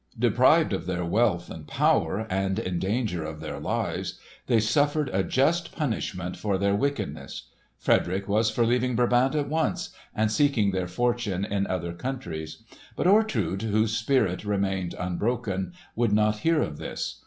Deprived of their wealth and power, and in danger of their lives, they suffered a just punishment for their wickedness. Frederick was for leaving Brabant at once, and seeking their fortunes in other countries. But Ortrud, whose spirit remained unbroken, would not hear of this.